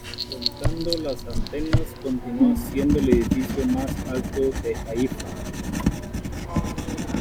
Contando las antenas, continúa siendo el edificio más alto de Haifa.